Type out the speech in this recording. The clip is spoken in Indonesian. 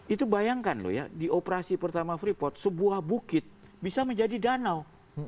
itu bayangkan loh ya di operasi pertama freeport sebuah bukit bisa menjadi danau